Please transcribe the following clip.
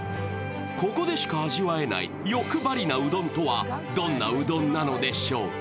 ここでしか味わえない欲張りなうどんとはどんなうどんなのでしょうか？